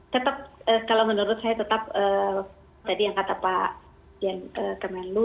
tetap kalau menurut saya tetap tadi yang kata pak jan kemenlu